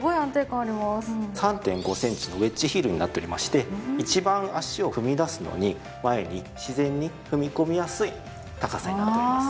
３．５センチのウェッジヒールになっておりまして一番足を踏み出すのに前に自然に踏み込みやすい高さになっております。